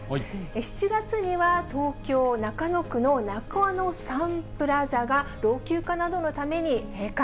７月には、東京・中野区の中野サンプラザが、老朽化などのために閉館。